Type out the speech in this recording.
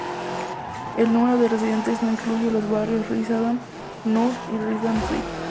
El número de residentes no incluye los barrios Risdam-Noord y Risdam-Zuid.